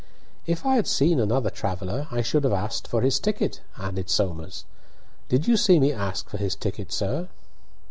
"If I had seen another traveller I should have asked for his ticket," added Somers. "Did you see me ask for his ticket, sir?"